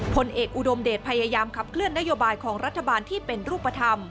ผลเอกอุดมเดชพยายามขับเคลื่อนนโยบายของรัฐบาลที่เป็นรูปธรรม